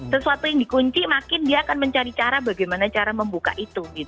sesuatu yang dikunci makin dia akan mencari cara bagaimana cara membuka itu